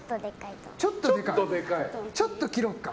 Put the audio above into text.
ちょっと切ろうか。